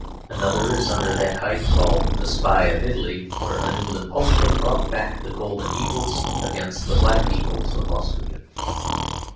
Another is under that height called The Spy of Italy, where a new Napoleon brought back the golden eagles against the black eagles of Austria.